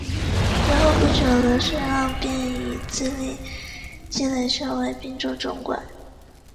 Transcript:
随后不久刘世让便以资历累积升为并州总管。